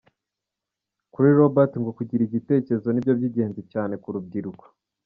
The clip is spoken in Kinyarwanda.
Kuri Robert ngo kugira igitekerezo nibyo by’ingenzi cyane ku rubyiruko.